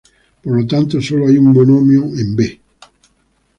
Por lo tanto, solo hay un monomio en "B".